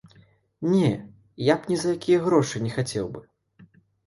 Не, я б ні за якія грошы не хацеў бы.